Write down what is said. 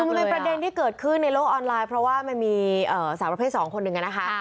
มันเป็นประเด็นที่เกิดขึ้นในโลกออนไลน์เพราะว่ามันมีสาวประเภท๒คนหนึ่งนะคะ